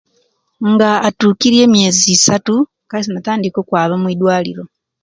Nga atukiiria emiyezi isaatu kaisi natandika okwaaba mwidwaliro